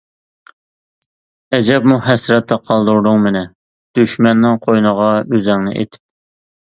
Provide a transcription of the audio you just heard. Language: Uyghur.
ئەجەبمۇ ھەسرەتتە قالدۇردۇڭ مېنى، دۈشمەننىڭ قوينىغا ئۆزۈڭنى ئېتىپ.